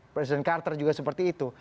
presiden carter juga seperti itu